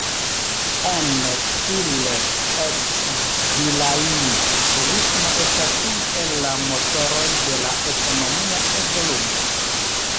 En Ille-et-Vilaine, turismo estas unu el la motoroj de la ekonomia evoluo.